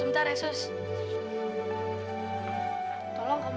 ini yang harus diberikan pak